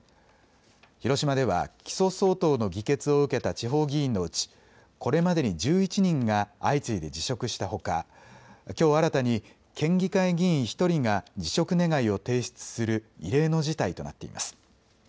広島では起訴相当の議決を受けた地方議員のうちこれまでに１１人が相次いで辞職したほかきょう新たに県議会議員１人が辞職願を提出する異例の事態となっています。